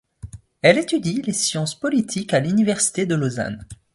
Elle étudie les sciences politiques à l'université de Lausanne.